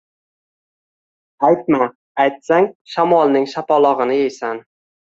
Aytma, aytsang shamolning shapalog‘ini yeysan!